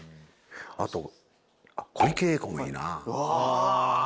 あと小池栄子もいいな。